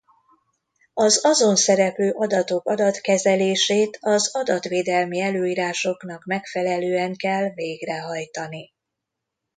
Az azon szereplő adatok adatkezelését az adatvédelmi előírásoknak megfelelően kell végrehajtani.